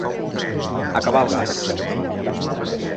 Acabar el gas.